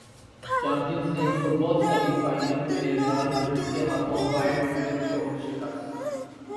champions League football semi final میں Real Madrid کے ہاتھوں بائرن میونخ کو شکست